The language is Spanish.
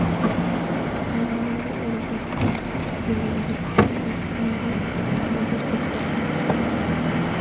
A lo largo del resto del año, se mostraron más espectáculos.